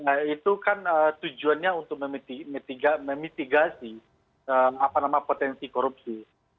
nah itu kan tujuannya untuk memitigasi potensi korupsi